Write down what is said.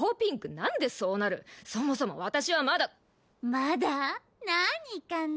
何でそうなるそもそも私はまだまだ？何かな？